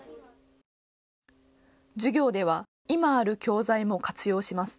授業では今ある教材も活用します。